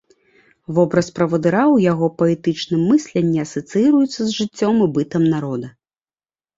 Вобраз правадыра ў яго паэтычным мысленні асацыіруецца з жыццём і бытам народа.